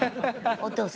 お父さん。